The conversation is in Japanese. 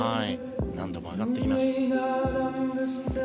難度も上がっています。